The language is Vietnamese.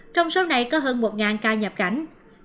trong số này có hơn một ca nhập cảnh